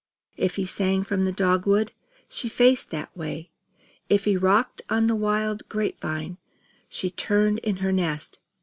If he sang from the dogwood, she faced that way. If he rocked on the wild grape vine, she turned in her nest.